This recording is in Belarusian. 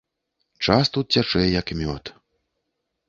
Час тут цячэ як мёд.